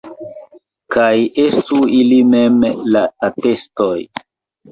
Kaj estu ili mem la atestoj.